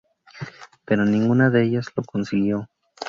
Pero ninguna de ellas lo consiguió.